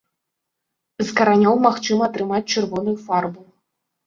З каранёў магчыма атрымаць чырвоную фарбу.